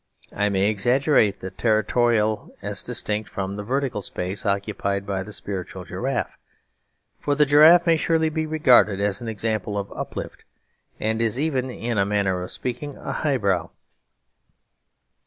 I may exaggerate the territorial, as distinct from the vertical space occupied by the spiritual giraffe; for the giraffe may surely be regarded as an example of Uplift, and is even, in a manner of speaking, a high brow.